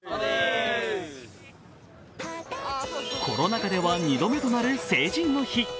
コロナ禍では２度目となる成人の日。